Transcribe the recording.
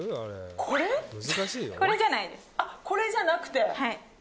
これじゃなくて。